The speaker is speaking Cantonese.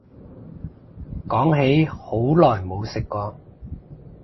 講起好耐冇食過